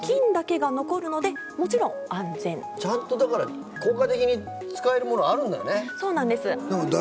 ちゃんと効果的に使えるものあるんだね。